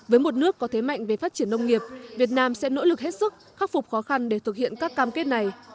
với một nước có thế mạnh về phát triển nông nghiệp việt nam sẽ nỗ lực hết sức khắc phục khó khăn để thực hiện các cam kết này